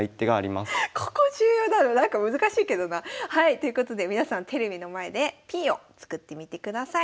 ということで皆さんテレビの前でＰを作ってみてください。